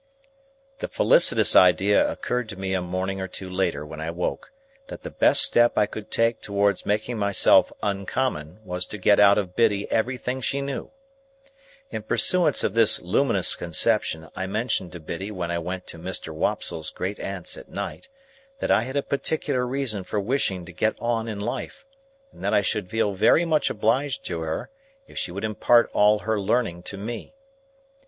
The felicitous idea occurred to me a morning or two later when I woke, that the best step I could take towards making myself uncommon was to get out of Biddy everything she knew. In pursuance of this luminous conception I mentioned to Biddy when I went to Mr. Wopsle's great aunt's at night, that I had a particular reason for wishing to get on in life, and that I should feel very much obliged to her if she would impart all her learning to me.